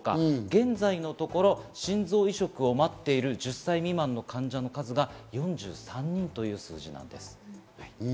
現在のところ心臓移植を待っている１０歳未満の患者の数が４３人です。